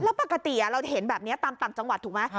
แล้วปกติเราเห็นแบบนี้ตามต่างจังหวัดถูกไหม